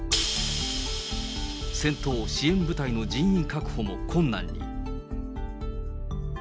戦闘・支援部隊の人員確保も困難に。